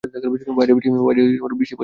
বাইরে বৃষ্টি পড়ছে।